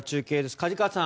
梶川さん